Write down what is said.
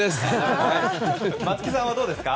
松木さん、どうですか？